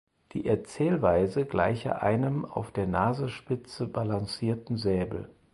Die Erzählweise gleiche „einem auf der Nasenspitze balancierten Säbel“.